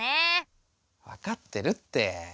わかってるって。